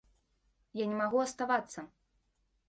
Я не магу аставацца.